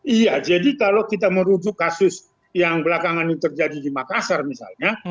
iya jadi kalau kita merujuk kasus yang belakangan ini terjadi di makassar misalnya